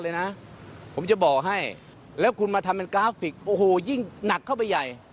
ถ้ามาทำเป็นกราฟฟิคยิ่งหนักเข้าไปใหญ่